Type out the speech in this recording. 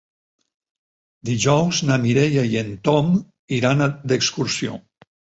Dijous na Mireia i en Tom iran d'excursió.